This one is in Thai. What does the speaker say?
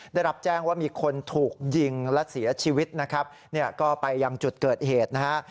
ได้รับแจ้งว่ามีคนถูกยิงและเสียชีวิตนะครับเนี่ยก็ไปยังจุดเกิดเหตุนะฮะ